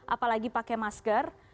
apalagi pakai masker